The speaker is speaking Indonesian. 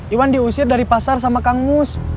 iwan diusir dari pasar sama kang mus